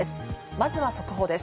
まずは速報です。